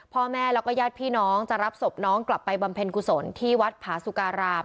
พ่อแม่แล้วก็ญาติพี่น้องจะรับศพน้องกลับไปบำเพ็ญกุศลที่วัดผาสุการาม